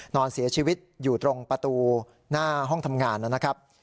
นอนเสียชีวิตอยู่ตรงประตูหน้าห้องทำงานนะครับ